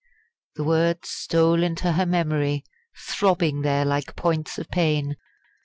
_" The words stole into her memory, throbbing there like points of pain.